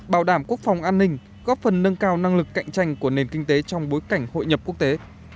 bảo đảm quốc phòng an ninh góp phần nâng cao năng lực cạnh tranh của nền kinh tế trong bối cảnh hội nhập quốc tế